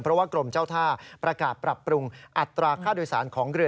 เพราะว่ากรมเจ้าท่าประกาศปรับปรุงอัตราค่าโดยสารของเรือ